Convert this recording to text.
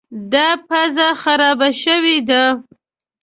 دا پزه خرابه شوې ده.